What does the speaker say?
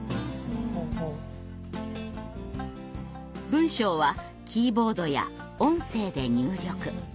文章はキーボードや音声で入力。